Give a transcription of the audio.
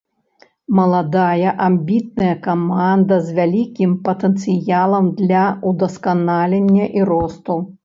Маладая, амбітная каманда з вялікім патэнцыялам для ўдасканалення і росту.